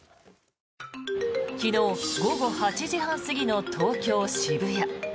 昨日午後８時半過ぎの東京・渋谷。